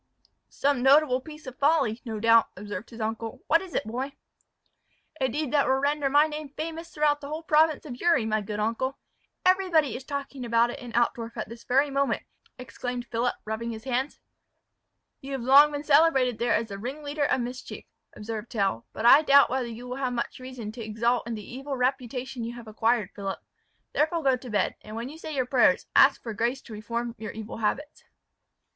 "Some notable piece of folly, no doubt," observed his uncle; "what is it, boy?" "A deed that will render my name famous throughout the whole province of Uri, my good uncle. Everybody is talking about it in Altdorf at this very moment," exclaimed Philip, rubbing his hands. "You have long been celebrated there as the ringleader of mischief," observed Tell; "but I doubt whether you will have much reason to exult in the evil reputation you have acquired, Philip. Therefore go to bed, and when you say your prayers, ask for grace to reform your evil habits."